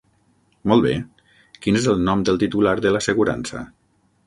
Molt bé, quin és el nom del titular de l'assegurança?